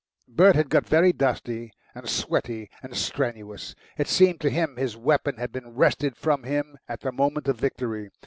Bert had got very dusty and sweaty and strenuous. It seemed to him his weapon had been wrested from him at the moment of victory.